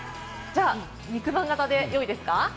肉まん型で良いですか？